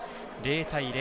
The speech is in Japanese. ０対０。